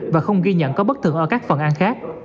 và không ghi nhận có bất thường ở các phần ăn khác